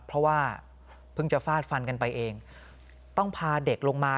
เพราะว่าเพิ่งจะฟาดฟันกันไปเองต้องพาเด็กลงมา